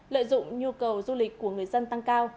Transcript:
lợi dụng nhu cầu du lịch của người dân tăng cao